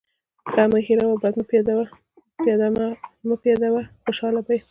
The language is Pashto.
ښه مه هېروه، بد مه پیاده وه. خوشحاله به يې.